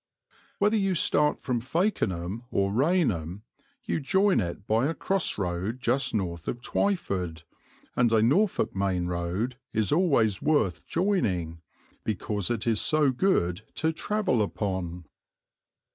Whether you start from Fakenham or Rainham you join it by a cross road just north of Twyford, and a Norfolk main road is always worth joining, because it is so good to travel upon.